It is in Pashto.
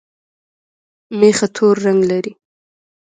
مېخه تور رنګ لري